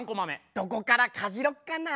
どこからかじろっかな？